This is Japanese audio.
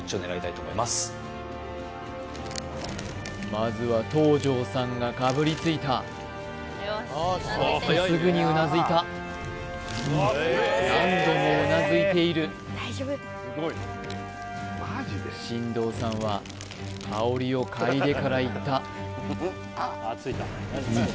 まずは東條さんがかぶりついたすぐにうなずいた何度もうなずいている進藤さんは香りを嗅いでからいった